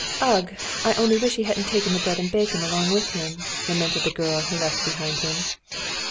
"Ugh! I only wish he hadn't taken the bread and bacon along with him!" lamented the girl he left behind him.